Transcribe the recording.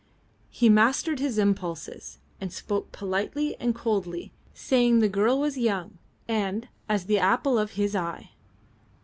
He mastered his impulses, and spoke politely and coldly, saying the girl was young and as the apple of his eye.